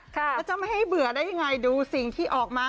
แล้วจะไม่ให้เบื่อได้ยังไงดูสิ่งที่ออกมา